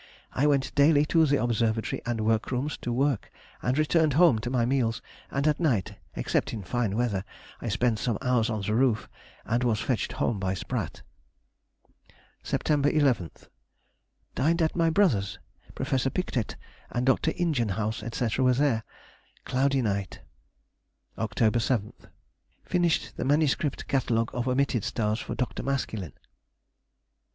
I went daily to the Observatory and work rooms to work, and returned home to my meals, and at night, except in fine weather, I spent some hours on the roof, and was fetched home by Sprat. September 11th.—Dined at my brother's. Professor Pictet and Dr. Ingenhouse, &c., were there. Cloudy night. October 7th.—Finished the MS. Catalogue of omitted stars for Dr. Maskelyne.